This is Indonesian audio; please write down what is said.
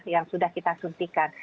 yang sudah kita suntikan